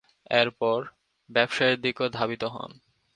এরপর, ব্যবসায়ের দিকে ধাবিত হন।